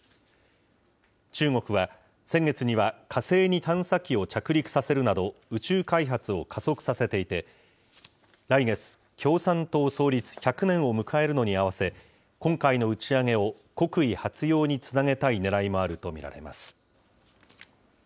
中国は、先月には火星に探査機を着陸させるなど、宇宙開発を加速させていて、来月、共産党創立１００年を迎えるのに合わせ、今回の打ち上げを国威発揚につなげたいねらいもあると見られます。